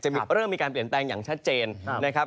เริ่มมีการเปลี่ยนแปลงอย่างชัดเจนนะครับ